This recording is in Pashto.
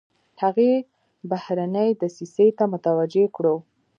هغې بهرنۍ دسیسې ته متوجه کړو.